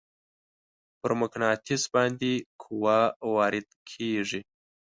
پر مقناطیس باندې قوه وارد کیږي.